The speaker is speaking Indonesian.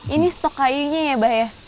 ini stok kayunya ya mbak ya